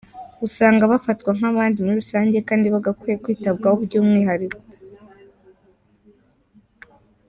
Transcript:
Usanga bafatwa nk’abandi muri rusange kandi bagakwiye kwitabwaho by’umwihariko.